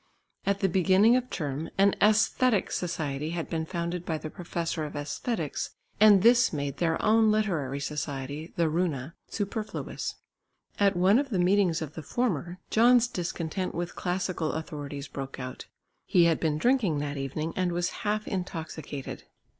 At the beginning of term an Æsthetic Society had been founded by the professor of Æsthetics, and this made their own literary society, the "Runa," superfluous. At one of the meetings of the former, John's discontent with classical authorities broke out. He had been drinking that evening and was half intoxicated.